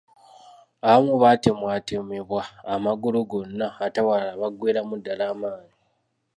Abamu batemebwatemebwa amagulu gonna ate abalala baggweeramu ddala amaanyi.